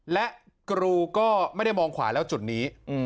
และกรูก็ไม่ได้มองขวาแล้วจุดนี้